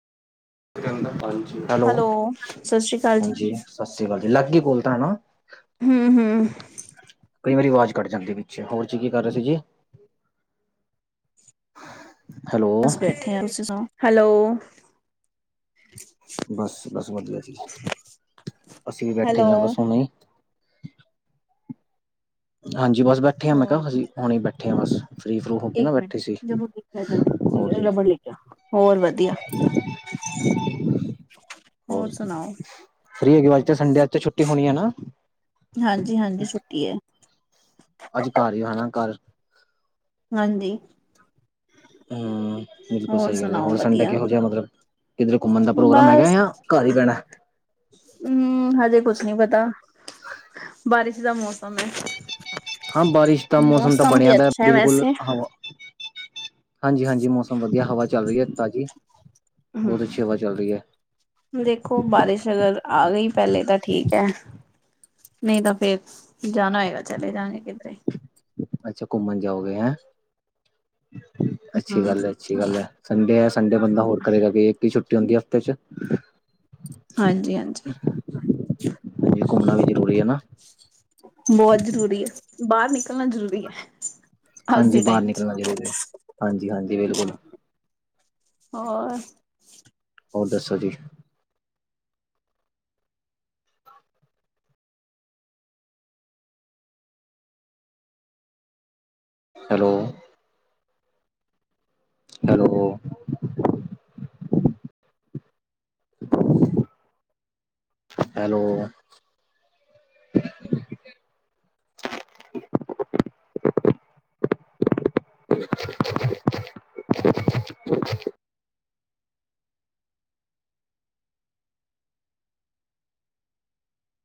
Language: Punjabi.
ਹੈਲੋ, ਸਤਿ ਸ਼੍ਰੀ ਅਕਾਲ ਜੀ। ਹਾਂਜੀ ਸਤਿ ਸ੍ਰੀ ਅਕਾਲ ਜੀ, ਲਗ ਗਈ ਕਾਲ ਤਾਂ, ਹੈਨਾ ਹੂੰ-ਹੂੰ, ਕਈ ਵਾਰੀ, ਆਵਾਜ਼ ਕੱਟ ਜਾਂਦੀ ਵਿੱਚ, ਹੋਰ ਜੀ, ਕੀ ਕਰ ਰਹੇ ਸੀ ਜੀ? [inaudible] ਹੈਲੋ ਬਸ ਬੈਠੇ ਆ, ਤੁਸੀ ਸੁਣਾਉ? ਹੈਲੋ ਬਸ-ਬਸ ਵਧੀਆ ਜੀ, ਅਸੀਂ ਵੀ ਬੈਠੇ ਹਾਂ ਹੈਲੋ, ਬਸ ਹੁਣੇ ਹੀ ਹਾਂਜੀ ਬਸ ਬੈਠੇ ਆ ਮੈਂ ਹੋਰ ਕਿਹਾ ਅਸੀਂ ਹੁਣੇ ਬੈਠੇ ਹਾਂ ਬਸ ਫ੍ਰੀ ਫਰੂ ਹੋ ਕੇ ਨਾ ਇੱਕ ਮਿੰਟ ਬੈਠੀ ਸੀ, ਜਮੂ ਲੈ ਜਲਦੀ ਹੋਰ ਜੀ ਰਬੜ ਲੈ ਕੇ ਆ। ਹੋਰ ਵਧੀਆ, [inaudible] ਹੋਰ ਸੁਣਾਓ? ਫ੍ਰੀ ਹੈਗੇ ਹੋ, ਅੱਜ ਤੇ ਸੰਡੇ ਹੈ, ਅੱਜ ਤੇ ਛੁੱਟੀ ਹੋਣੀ ਹੈ, ਹੈਨਾ ਹਾਂਜੀ-ਹਾਂਜੀ ਛੁੱਟੀ ਹੈ। ਅੱਜ ਘਰ ਹੀਓ ਹਨਾ ਘਰ ਹਾਂਜੀ ਹੂੰ ਬਿਲਕੁਲ ਹੋਰ ਸਹੀ ਗੱਲ ਹੈ, ਸੁਣਾਓ ਹੁਣ ਸੰਡੇ ਵਧੀਆ? ਕਿਹੋ ਜਿਹੇ ਮਤਲਬ ਕਿਧਰ ਘੁੰਮਣ ਦਾ ਪ੍ਰੋਗਰਾਮ ਹੈਗਾ ਬਸ ਜਾਂ ਘਰ ਹੀ ਬੇੜਾ ਹੂੰ ਹਜੇ ਕੁਛ ਨੀ ਪਤਾ ਬਾਰਿਸ਼ ਦਾ ਮੌਸਮ ਹੈ ਹਾਂ, ਬਾਰਿਸ਼ ਦਾ ਮੌਸਮ ਤਾਂ ਬਣਿਆ ਦਾ, ਅੱਛਾ ਐ ਬਿਲਕੁਲ ਵੈਸੇ, ਹਾਂਜੀ-ਹਾਂਜੀ, ਮੌਸਮ ਵਧੀਆ, ਹਵਾ ਚੱਲ ਰਹੀ ਹੈ ਤਾਜ਼ੀ ਬਹੁਤ ਅੱਛੀ ਹਵਾ ਚੱਲ ਰਹੀ ਹੈ ਹੂੰ ਦੇਖੋ, ਬਾਰਿਸ਼ ਅਗਰ ਆ ਗਈ ਪਹਿਲੇ ਤਾਂ ਠੀਕ ਹੈ ਨਹੀਂ ਤਾਂ ਫੇਰ ਜਾਣਾ ਹੋਏਗਾ, ਚਲੇ ਜਾਗੇ ਕਿੱਧਰੇ ਅੱਛਾ ਘੁੰਮਣ ਜਾਓਗੇ ਹੈ? ਅੱਛੀ ਹੂੰ, ਗੱਲ ਹੈ-ਅੱਛੀ ਗੱਲ ਹੈ, ਸੰਡੇ ਹੈ ਸੰਡੇ ਬੰਦਾ ਹੋਰ ਕਰੇਗਾ ਕਿ ਇੱਕ ਹੀ ਛੁੱਟੀ ਟੀ ਹੁੰਦੀ ਹਫ਼ਤੇ ਚ ਹਾਂਜੀ-ਹਾਂਜੀ, ਹਾਂਜੀ ਘੁੰਮਣਾ ਵੀ ਜ਼ਰੂਰੀ ਹੈ ਨਾ ਬਹੁਤ ਜ਼ਰੂਰੀ ਹੈ, ਬਾਹਰ ਨਿਕਲਣਾ ਜ਼ਰੂਰੀ ਹੈ ਅੱਜ ਹਾਂਜੀ ਦੇ ਬਾਹਰ ਟਾਈਮ ਚ ਨਿਕਲਣਾ ਜ਼ਰੂਰੀ ਹੈ, ਹਾਂਜੀ-ਹਾਂਜੀ ਬਿਲਕੁਲ ਹੋਰ ਹੋਰ ਦੱਸੋ ਜੀ? Hello hello hello [inaudible]